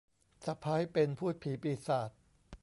สะใภ้เป็นภูตผีปีศาจ